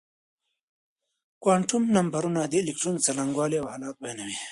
کوانتم نمبرونه د الکترون څرنګوالی او حالت بيانوي.